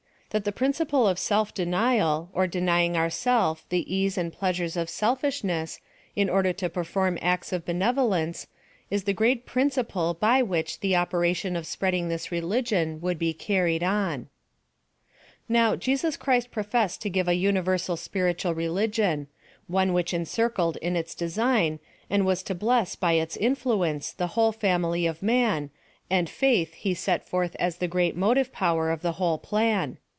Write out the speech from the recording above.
That the principle of self denial, or denying ourself the ease and pleasures of selfish ness, in order to perform acts of benevolence, is the great principle by which the operation of spreading til is religion would be carried on. Now, Jesus Christ professed to give a universal spiritual religion ; one which encircled in its design, and was to bless by its influence, the whole family of man and faith he set forth as the ofreat motive power of the whole plan.